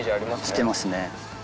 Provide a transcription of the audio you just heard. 着てますね。